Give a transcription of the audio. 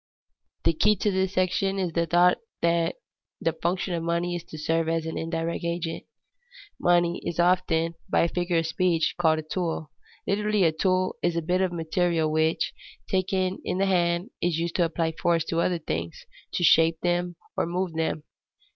_ The key to this section is the thought that the function of money is to serve as an indirect agent. Money is often, by a figure of speech, called a tool. Literally a tool is a bit of material which, taken in the hand, is used to apply force to other things, to shape them or move them.